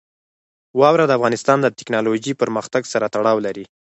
واوره د افغانستان د تکنالوژۍ پرمختګ سره تړاو لري.